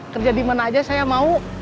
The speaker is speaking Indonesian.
kerja dimana aja saya mau